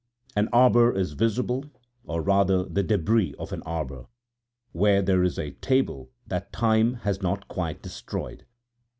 An arbor is still visible, or rather the débris of an arbor, where there is a table that time has not quite destroyed.